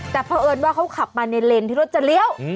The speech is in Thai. แต่เพราะเอิญว่าเขาขับมาในเลนที่รถจะเลี้ยว